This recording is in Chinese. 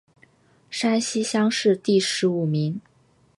山西乡试第十五名。